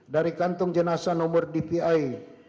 dari kantung jenasa nomor dvi